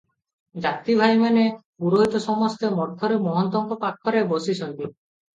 ଜାତି ଭାଇମାନେ, ପୁରୋହିତ ସମସ୍ତେ ମଠରେ ମହନ୍ତଙ୍କ ପାଖରେ ବସିଛନ୍ତି ।